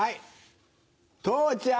父ちゃん